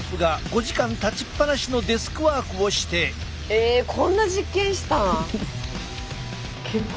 えこんな実験したん？